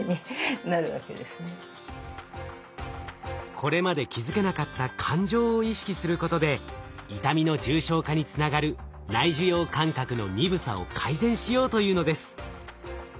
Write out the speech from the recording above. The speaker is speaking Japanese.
これまで気づけなかった感情を意識することで痛みの重症化につながる内受容感覚の鈍さを改善しようというのです。